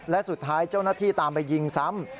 และสุดท้ายเจ้าหน้าที่ตามไปยิงซ้ำ